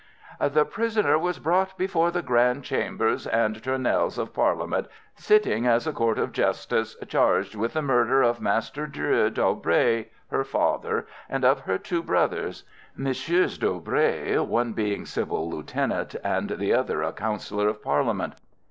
"The prisoner was brought before the Grand Chambers and Tournelles of Parliament, sitting as a court of justice, charged with the murder of Master Dreux d'Aubray, her father, and of her two brothers, MM. d'Aubray, one being civil lieutenant, and the other a counsellor of Parliament.